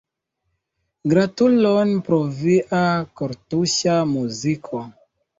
Gratulon pro via kortuŝa muziko.